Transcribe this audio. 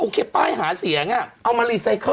โอเคป้ายหาเสียงอ่ะเอามา